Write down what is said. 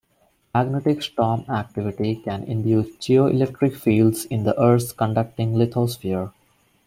Magnetic storm activity can induce geoelectric fields in the Earth's conducting lithosphere.